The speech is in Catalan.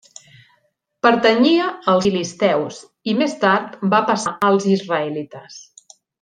Pertanyia als filisteus i més tard va passar als israelites.